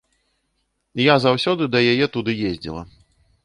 Я заўсёды да яе туды ездзіла.